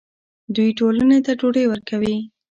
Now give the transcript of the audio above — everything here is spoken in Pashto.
دوی ټولنې ته ډوډۍ ورکوي.